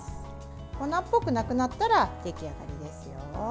粉っぽくなくなったら出来上がりですよ。